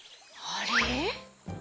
あれ？